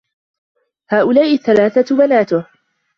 هؤلاء الثلاثة بناته.